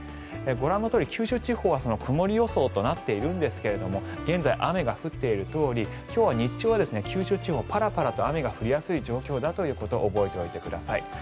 ご覧のとおり九州地方は曇り予想となっているんですが現在、雨が降っているとおり今日は日中は九州地方パラパラと雨が降りやすい状況だということ覚えておいてください。